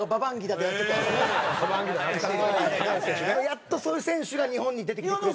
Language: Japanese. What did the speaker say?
やっとそういう選手が日本に出てきてくれたなと。